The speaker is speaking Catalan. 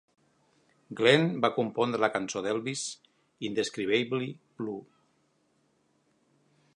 Glenn va compondre la cançó d"Elvis "Indescribably Blue".